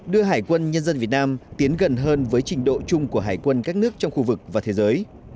đưa hải quân nhân dân việt nam tiến gần hơn với trình độ chung của hải quân các nước trong khu vực và thế giới